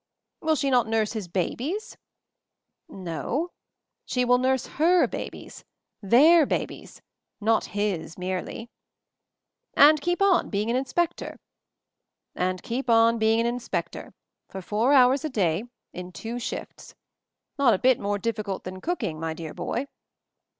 "Will she not nurse his babies ?" "No; she will nurse her babies — their babies, not 'his' merely ." "And keep on being an inspector?" "And keep on being an inspector — for four hours a day — in two shifts. Not a bit more difficult than cooking, my dear boy."